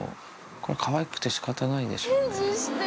これ、かわいくてしかたないでしどうした？